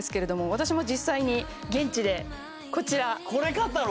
私も実際に現地でこちらこれ買ったの？